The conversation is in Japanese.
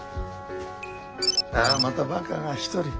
あまたバカが一人。